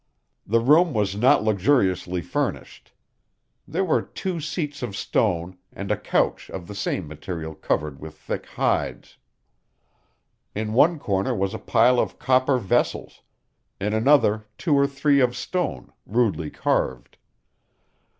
The room was not luxuriously furnished. There were two seats of stone, and a couch of the same material covered with thick hides. In one corner was a pile of copper vessels; in another two or three of stone, rudely carved.